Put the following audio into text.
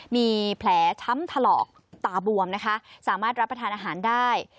มีแผลช้ำถลอกตาบวมนะคะสามารถรับประทานอาหารได้